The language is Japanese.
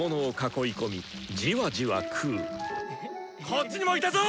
こっちにもいたぞ！